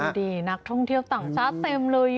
ดีนักท่องเที่ยวต่างชาติเต็มเลย